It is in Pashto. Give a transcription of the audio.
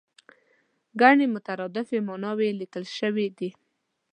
ګڼې مترادفې ماناوې یې لیکل شوې دي.